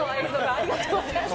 ありがとうございます。